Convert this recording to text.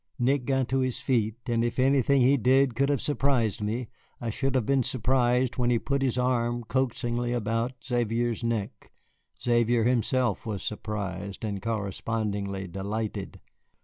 Nick got to his feet, and if anything he did could have surprised me, I should have been surprised when he put his arm coaxingly about Xavier's neck. Xavier himself was surprised and correspondingly delighted.